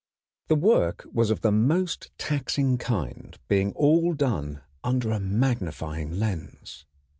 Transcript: The work was of the most taxing kind, being all done under a magnifying lens.